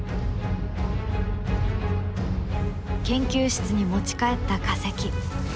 研究室に持ち帰った化石。